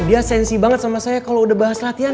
dia sensi banget sama saya kalau udah bahas latihan